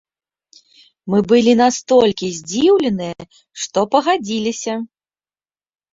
Мы былі настолькі здзіўленыя, што пагадзіліся.